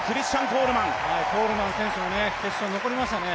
コールマン選手は決勝に残りましたね。